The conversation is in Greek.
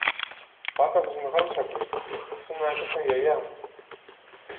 Πάταγος μεγάλος ακούστηκε, σα να έπεφταν γυαλιά